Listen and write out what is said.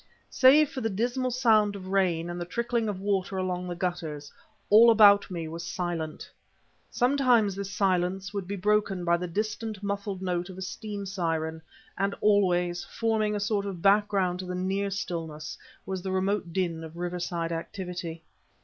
Save for the dismal sound of rain, and the trickling of water along the gutters, all about me was silent. Sometimes this silence would be broken by the distant, muffled note of a steam siren; and always, forming a sort of background to the near stillness, was the remote din of riverside activity.